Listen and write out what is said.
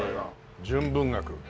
「純文学」